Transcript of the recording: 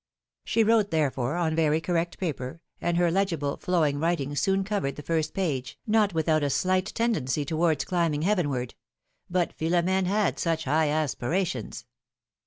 She wrote, therefore, on very correct paper, and her legible, flowing writing soon covered the first page, not v/ithout a slight tendency towards climbing heavenward — but Philomene had such high aspirations